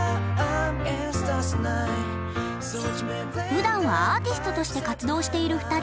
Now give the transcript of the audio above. ふだんはアーティストとして活動している二人。